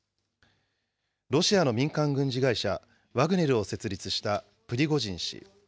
ロシアの民間軍事会社、ワグネルを設立したプリゴジン氏。